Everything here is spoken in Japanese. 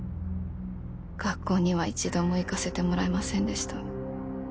学校には一度も行かせてもらえませんでした。